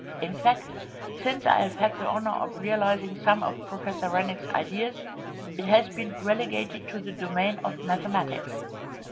In fact, since I have had the honour of realising some of Professor Rennick's ideas it has been relegated to the domain of mathematics.